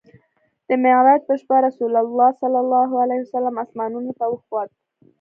د معراج په شپه رسول الله اسمانونو ته وخوت.